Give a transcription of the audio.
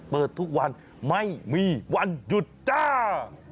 เปิดทุกวันไม่มีวันหยุดจ้า